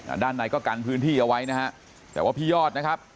ด้านในก็กันพื้นที่เอาไว้นะฮะแต่ว่าพี่ยอดนะครับ